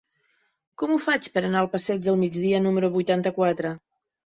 Com ho faig per anar al passeig del Migdia número vuitanta-quatre?